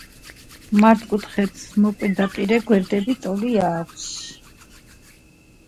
ქალაქში მდებარეობს კვების, სამკერვალო და ლითონგადამამუშავებელი საწარმოები.